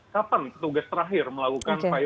kapan petugas terakhir melakukan